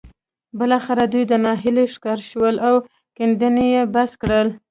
بالاخره دوی د ناهيلۍ ښکار شول او کيندنې يې بس کړې.